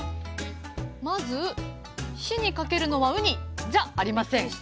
まず火にかけるのは「ウニ」じゃありません。